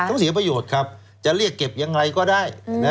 ต้องเสียประโยชน์ครับจะเรียกเก็บยังไงก็ได้